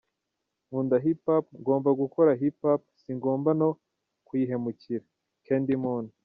Nkunda hip hop, ngomba gukora hip hop, singomba no kuyihemukira - CandyMoon.